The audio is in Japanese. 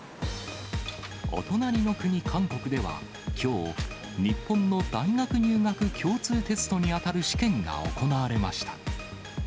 お隣の国、韓国では、きょう、日本の大学入学共通テストに当たる試験が行われました。